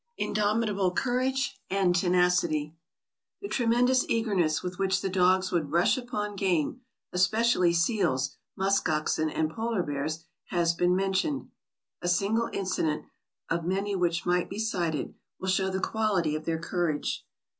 Indomitable Courage and Tenacity The tremendous eagerness with which the dogs would rush upon game — especially seals, musk oxen and polar bears — has been mentioned. A single incident, of many which might be cited, will show the quality of their courage.